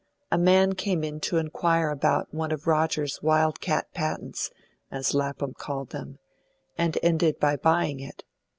A man came in to inquire about one of Rogers's wild cat patents, as Lapham called them, and ended by buying it.